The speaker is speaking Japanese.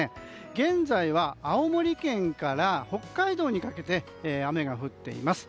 現在は青森県から北海道にかけて雨が降っています。